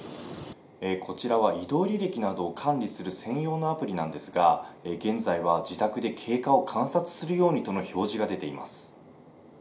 こちらは移動履歴などを管理する専用のアプリなんですが、現在は自宅で経過を観察するようにとの表示が出ています。